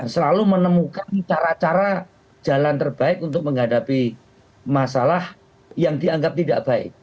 selalu menemukan cara cara jalan terbaik untuk menghadapi masalah yang dianggap tidak baik